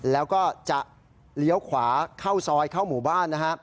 แล้วก็จะเลี้ยวขวาเข้าซอยเข้าหมู่บ้านนะฮะ